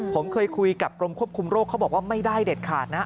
ผมเคยคุยกับกรมควบคุมโรคเขาบอกว่าไม่ได้เด็ดขาดนะ